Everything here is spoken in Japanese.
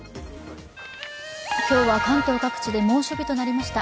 今日は関東各地で猛暑日となりました。